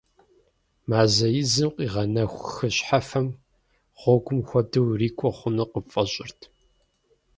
Мазэ изым къигъэнэху хы щхьэфэм гъуэгум хуэдэу урикӏуэ хъуну къыпфӏэщӏырт.